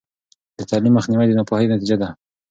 د تعلیم مخنیوی د ناپوهۍ نتیجه ده.